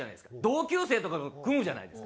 同級生とかと組むじゃないですか。